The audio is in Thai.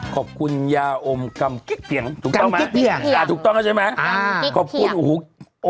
ขอบคุณยาอมกำกิ๊กเพียงถูกต้องไหมอ่ะถูกต้องใช่ไหมขอบคุณโอ้โห